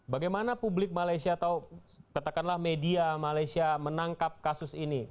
bagaimana publik malaysia atau katakanlah media malaysia menangkap kasus ini